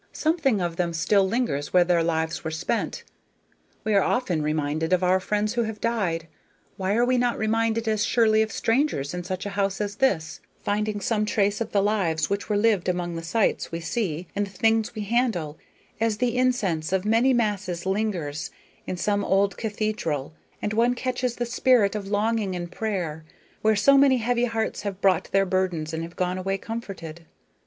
Something of them still lingers where their lives were spent. We are often reminded of our friends who have died; why are we not reminded as surely of strangers in such a house as this, finding some trace of the lives which were lived among the sights we see and the things we handle, as the incense of many masses lingers in some old cathedral, and one catches the spirit of longing and prayer where so many heavy hearts have brought their burdens and have gone away comforted?"